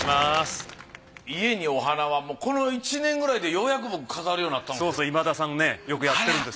家にお花はもうこの１年くらいでようやく僕飾るようになったんです。